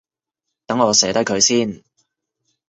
等我寫低佢先